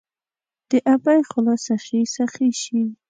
د ابۍ خوله سخي، سخي شي